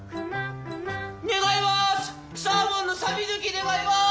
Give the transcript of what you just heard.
願います！